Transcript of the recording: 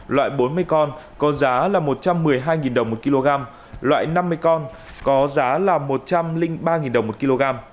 loại bốn mươi con có giá là một trăm một mươi hai đồng một kg loại năm mươi con có giá là một trăm linh ba đồng một kg